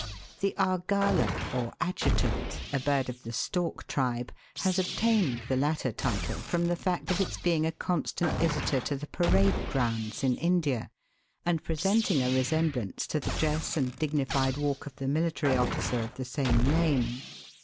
The Argala, or Adjutant, a bird of the stork tribe, has obtained the latter title from the fact of its being a constant visitor to the parade grounds in India, and pre sinting a resemblance to the dress and dignified walk of the military officer of the same name.